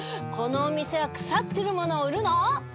このお店は腐ってるもの売るの？